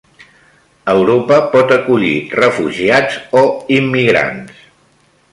Europa pot acollir refugiats o immigrants